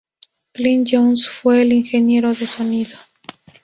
Glyn Johns fue el ingeniero de sonido.